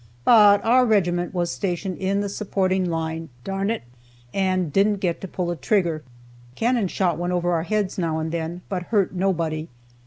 But our regiment was stationed in the supporting line, (darn it!) and didn't get to pull a trigger. Cannon shot went over our heads now and then, but hurt nobody.